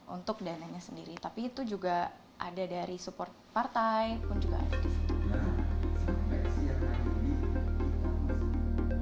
untuk dananya sendiri tapi itu juga ada dari support partai pun juga ada di situ